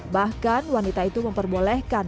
bahkan wanita itu memperbolehkan